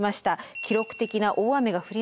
記録的な大雨が降りました。